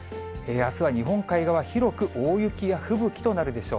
あすは日本海側、広く大雪や吹雪となるでしょう。